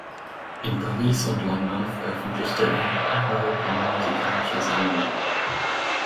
In Paris und London veröffentlichte er mehrere kammermusikalische Sammlungen.